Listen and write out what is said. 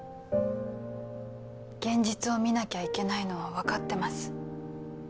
現実を見なきゃいけないのは分かってます